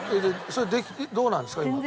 でそれどうなんですか？